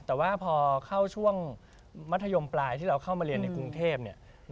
แต่ว่าพอเข้าช่วงมัธยมปลายที่เราเข้ามาเรียนในกรุงเทพเนี่ย